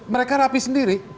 mereka rapi sendiri